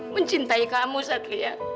mencintai kamu satria